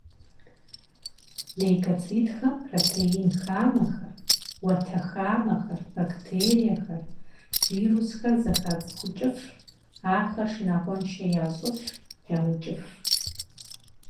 Лейкоцитхэм протеин хамэхэр, уэтэ хамэхэр, бактериехэр, вирусхэр зэхацӏыхукӏыф, ахэр шынагъуэншэ ящӏыф, яукӏыф.